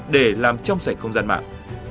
để làm trong sạch không gian mạng